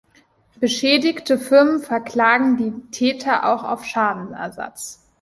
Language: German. Geschädigte Firmen verklagen die Täter auch auf Schadenersatz.